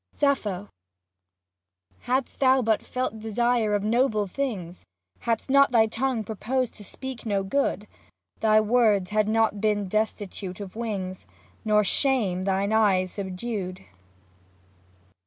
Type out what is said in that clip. Sappho Hadst thou but felt desire of noble things, Hadst not thy tongue proposed to speak no good. Thy words had not been destitute of wings. Nor shame thine eyes subdued.